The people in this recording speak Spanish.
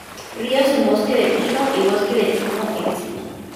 Ríos en bosque de pino y bosque de pino-encino.